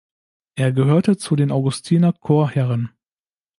Er gehörte zu den Augustiner-Chorherren.